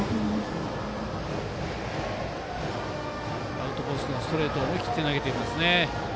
アウトコースのストレートを思い切って投げてますね。